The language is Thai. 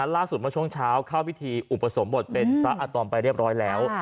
เมื่อช่วงเช้าเข้าพิธีอุปสมบทเป็นพระอาตอมไปเรียบร้อยแล้ว